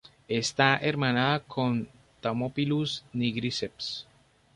Está hermanada con "Thamnophilus nigriceps".